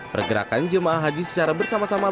pergerakan jemaah haji secara bersama sama